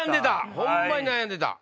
ホンマに悩んでた。